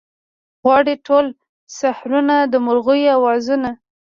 غواړي ټوله سحرونه د مرغیو اوازونه